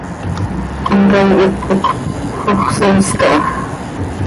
Comcaii hipcop xox soos caha.